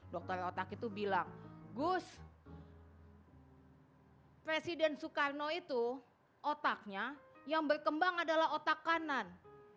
dokter otak itu bilang gus presiden soekarno itu otaknya yang berkembang adalah otak kanan